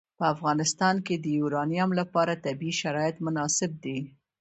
په افغانستان کې د یورانیم لپاره طبیعي شرایط مناسب دي.